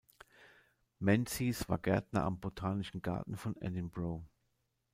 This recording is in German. Menzies war Gärtner am Botanischen Garten von Edinburgh.